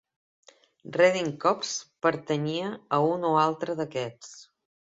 Redding's Copse pertanyia a un o altre d'aquests.